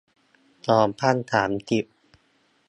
สองพันสามสิบ